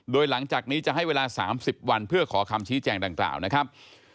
โดยหลังจากนี้จะให้เวลา๓๐วันเพื่อขอคำชี้แจงดังกล่าวนะครับ